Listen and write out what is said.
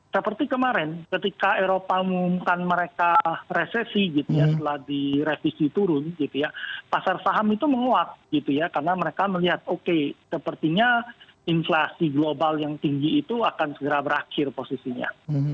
seperti kemarin ketika eropa mengumumkan mereka resesi gitu ya setelah direvisi turun gitu ya pasar saham itu menguat gitu ya karena mereka melihat oke sepertinya inflasi global yang tinggi itu akan segera berakhir posisinya